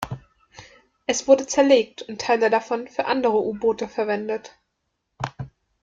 Es wurde zerlegt und Teile davon für andere U-Boote verwendet.